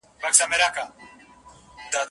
په یوه ژبه ګړیږو یو له بله نه پوهیږو